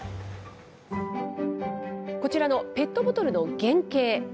こちらのペットボトルの原型。